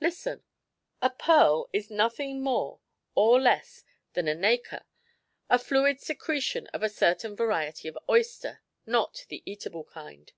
Listen: A pearl is nothing more or less than nacre, a fluid secretion of a certain variety of oyster not the eatable kind.